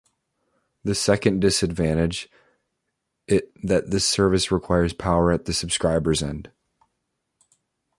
The second disadvantage it that this service requires power at the subscriber's end.